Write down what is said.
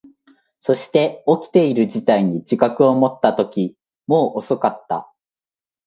そして、起きている事態に自覚を持ったとき、もう遅かった。